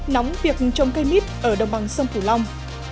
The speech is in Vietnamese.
nóng việc trồng cây nít ở đồng bằng sông thủ long